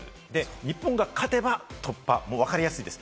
日本が勝てば突破、わかりやすいです。